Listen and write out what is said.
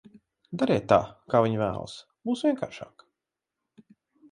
Dariet tā, kā viņa vēlas, būs vienkāršāk.